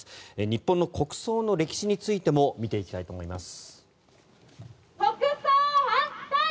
日本の国葬の歴史についても見ていきたいと思います。